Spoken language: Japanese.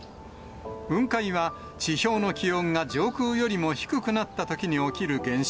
雲海は地表の気温が上空よりも低くなったときに起きる現象。